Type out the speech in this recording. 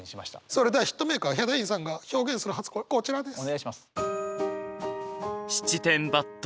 それではヒットメーカーヒャダインさんが表現する初恋こちらです。